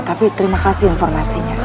tapi terima kasih informasinya